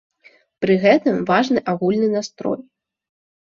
Пры гэтым важны агульны настрой.